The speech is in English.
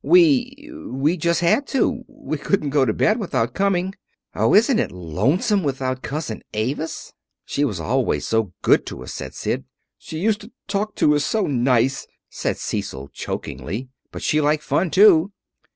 "We we just had to. We couldn't go to bed without coming. Oh, isn't it lonesome without Cousin Avis?" "She was always so good to us," said Sid. "She used to talk to us so nice," said Cecil chokily. "But she liked fun, too."